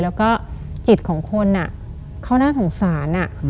แล้วก็จิตของคนเขาน่าสงสาร